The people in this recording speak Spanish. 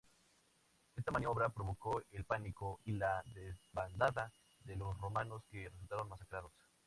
Esta maniobra provocó el pánico y la desbandada de los romanos que resultaron masacrados.